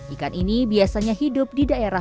ikan ini biasanya hidup di daerah